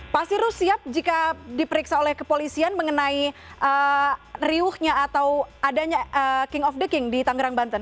pak sirus siap jika diperiksa oleh kepolisian mengenai riuhnya atau adanya king of the king di tangerang banten